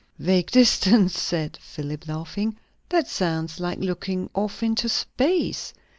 "Vague distance?" said Philip, laughing. "That sounds like looking off into space."